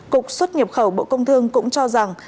cục xuất nhập khẩu bộ công thương cũng cho rằng